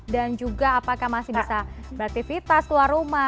dan juga apakah masih bisa beraktivitas luar rumah